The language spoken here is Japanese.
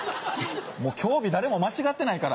今日び誰も間違ってないから。